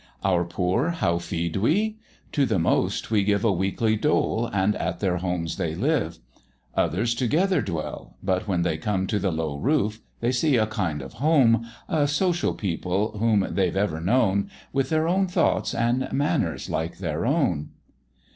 "Our Poor, how feed we?" To the most we give A weekly dole, and at their homes they live; Others together dwell, but when they come To the low roof, they see a kind of home, A social people whom they've ever known, With their own thoughts, and manners like their own.